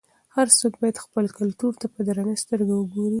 هر څوک باید خپل کلتور ته په درنه سترګه وګوري.